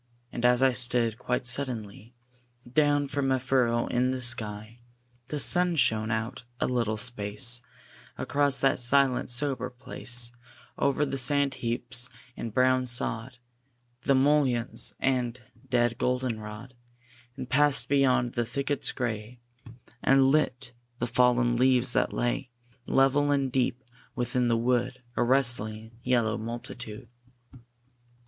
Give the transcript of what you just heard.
And as I stood, quite suddenly, Down from a furrow in the sky The sun shone out a little space Across that silent sober place, Over the sand heaps and brown sod, The mulleins and dead goldenrod, And passed beyond the thickets gray, And lit the fallen leaves that lay, Level and deep within the wood, A rustling yellow multitude.